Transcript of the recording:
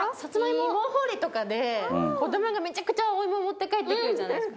芋掘りとかで子どもがめちゃくちゃお芋持って帰ってくるじゃないですか。